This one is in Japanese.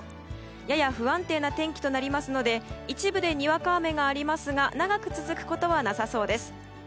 やや不安定な天気となりますので一部でにわか雨がありますが長く続くことはなさそうです。